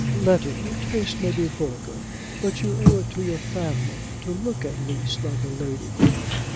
"Letty, your tastes may be vulgar, but you owe it to your family to look at least like a lady."